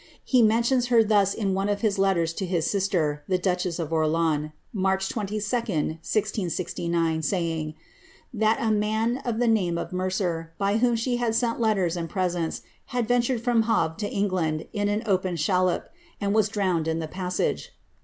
He mentions her thus in one of his letters to his sister, tlie duchess of Orleans, March 22d, 1G69, saying, that a man of the name of Mercer, by whom she had sent letters and presents, had ventured from Havre to England in an open shallop, and was drowned in the passage.